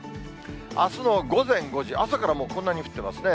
あすの午前５時、朝からもうこんなに降ってますね。